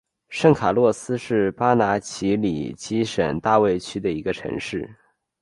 圣卡洛斯是巴拿马奇里基省大卫区的一个城市。